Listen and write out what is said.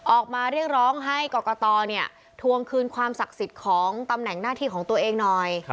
ออกมาเรียกร้องให้กรกตทวงคืนความศักดิ์สิทธิ์ของตำแหน่งหน้าที่ของตัวเองหน่อย